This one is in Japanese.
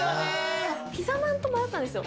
ピザまんと迷ったんですよ。